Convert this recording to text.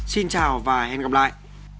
xin chào và hẹn gặp lại